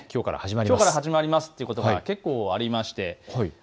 きょうから始まりますということが結構、あります。